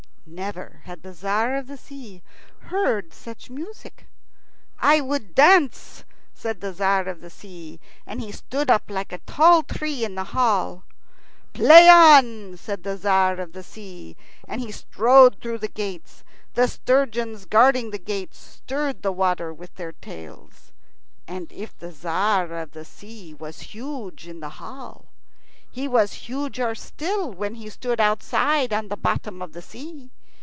Never had the Tzar of the Sea heard such music. "I would dance," said the Tzar of the Sea, and he stood up like a tall tree in the hall. "Play on," said the Tzar of the Sea, and he strode through the gates. The sturgeons guarding the gates stirred the water with their tails. And if the Tzar of the Sea was huge in the hall, he was huger still when he stood outside on the bottom of the sea.